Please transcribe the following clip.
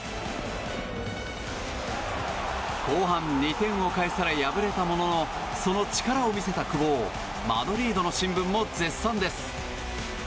後半２点を返され敗れたもののその力を見せた久保をマドリードの新聞も絶賛です。